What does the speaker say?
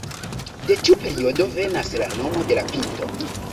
De tiu periodo venas la nomo de la pinto.